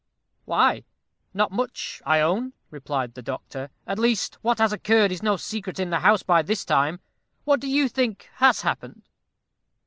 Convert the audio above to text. "Why, not much, I own," replied the doctor; "at least what has occurred is no secret in the house by this time. What do you think has happened?"